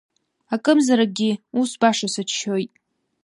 Акымзаракгьы ус баша сыччоит…